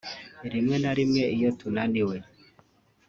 rimwe na rimwe iyo tunaniwe